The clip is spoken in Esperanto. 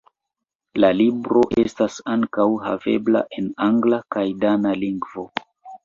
La libro estas ankaŭ havebla en angla kaj dana lingvo.